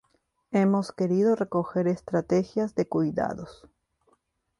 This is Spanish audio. hemos querido recoger estrategias de cuidados